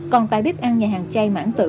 còn tại bếp ăn nhà hàng chay mãn tự